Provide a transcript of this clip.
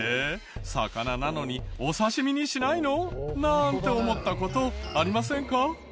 魚なのにお刺身にしないの？なんて思った事ありませんか？